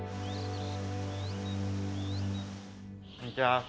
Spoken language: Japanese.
こんにちは。